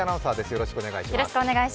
よろしくお願いします。